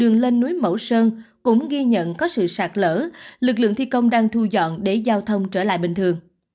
núi mẫu sơn cũng ghi nhận có sự sạt lỡ lực lượng thi công đang thu dọn để giao thông trở lại bình thường